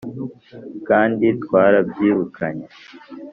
Kandi twarabyirukanye,